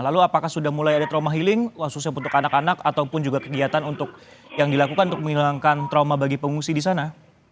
lalu apakah sudah mulai ada trauma healing khususnya untuk anak anak ataupun juga kegiatan untuk yang dilakukan untuk menghilangkan trauma bagi pengungsi di sana